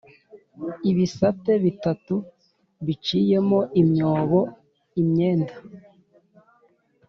ibisate bitatu biciyemo imyobo Imyenda